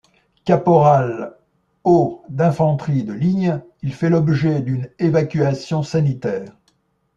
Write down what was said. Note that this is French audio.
Caporal au d'infanterie de ligne, il fait l'objet d'une évacuation sanitaire.